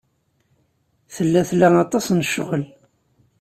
Tella tla aṭas n ccɣel.